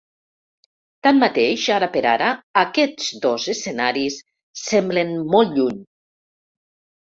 Tanmateix, ara per ara, aquests dos escenaris semblen molt lluny.